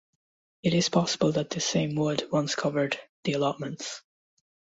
It is possible that this same wood once covered the allotments.